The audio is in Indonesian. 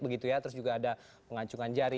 begitu ya terus juga ada pengacungan jari